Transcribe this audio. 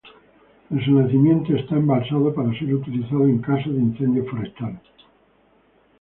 En su nacimiento está embalsado para ser utilizado en caso de incendio forestal.